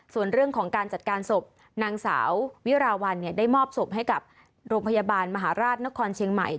ส่วนเรื่องของการจัดการศพนางสาววิราวัลได้มอบศพให้กับโรงพยาบาลมหาราชนครเชียงใหม่